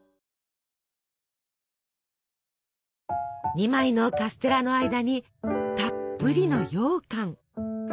２枚のカステラの間にたっぷりのようかん。